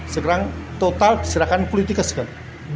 sekarang total diserahkan politikas kan